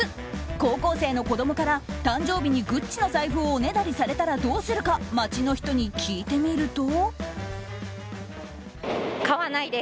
高校生の子供から誕生日にＧＵＣＣＩの財布をおねだりされたらどうするか街の人に聞いてみると。